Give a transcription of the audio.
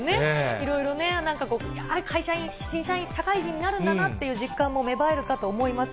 いろいろね、なんか会社員、新社員、社会人になるんだなっていう実感も芽生えるかと思います。